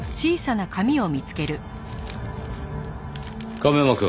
亀山くん。